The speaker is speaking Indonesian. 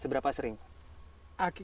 diterapkan di daerah sini atau baru ini